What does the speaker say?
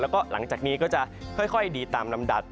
แล้วก็หลังจากนี้ก็จะค่อยดีตามลำดับ